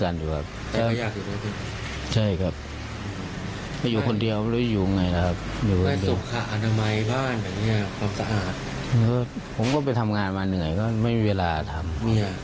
แล้วผมก็ไปทำงานมาเหนื่อยก็ไม่มีเวลาทำ